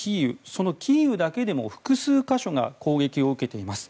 そのキーウだけでも複数箇所が攻撃を受けています。